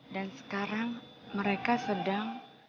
dan sekarang mereka sedang